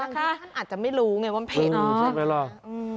บางทีท่านอาจจะไม่รู้ไงว่าเผ็ด